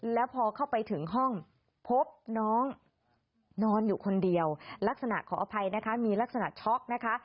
แล้วพอเข้าไปถึงห้องพบน้องนอนอยู่คนเดียวลักษณะขออภัยนะคะมีลักษณะช็อกนะคะ